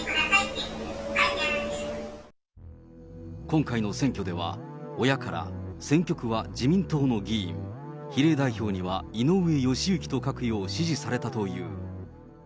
今回の選挙では、親から選挙区は自民党の議員、比例代表には井上義行と書くよう指示されたという。